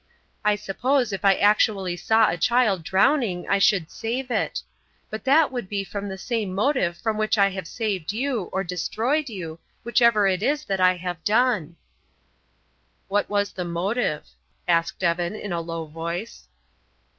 I suppose if I actually saw a child drowning I should save it. But that would be from the same motive from which I have saved you, or destroyed you, whichever it is that I have done." "What was the motive?" asked Evan, in a low voice.